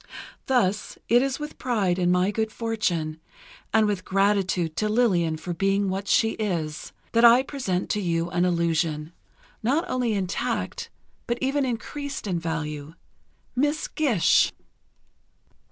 Thus, it is with pride in my good fortune, and with gratitude to Lillian for being what she is, that I present to you an illusion, not only intact but even increased in value—Miss Gish!